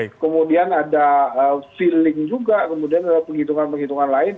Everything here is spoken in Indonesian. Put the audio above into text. kemudian ada feeling juga kemudian ada penghitungan penghitungan lain